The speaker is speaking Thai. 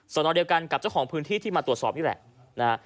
นอนเดียวกันกับเจ้าของพื้นที่ที่มาตรวจสอบนี่แหละนะฮะ